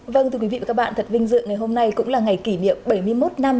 vâng thưa quý vị và các bạn thật vinh dự ngày hôm nay cũng là ngày kỷ niệm bảy mươi một năm